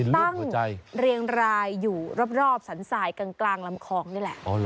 เรียงรายอยู่รอบสันทรายกลางลำคลองนี่แหละ